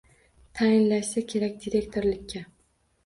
Tayinlashsa kerak direktorlikka.